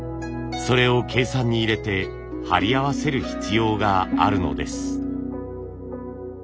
それを計算に入れて貼り合わせる必要があるのです。